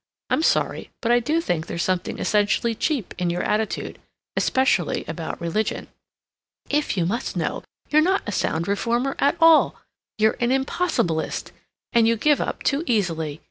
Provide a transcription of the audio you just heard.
I'm sorry, but I do think there's something essentially cheap in your attitude. Especially about religion. "If you must know, you're not a sound reformer at all. You're an impossibilist. And you give up too easily.